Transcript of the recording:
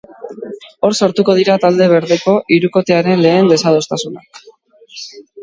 Hor sortuko dira talde berdeko hirukotearen lehen desadostasunak.